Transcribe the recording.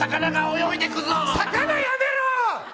魚やめろ！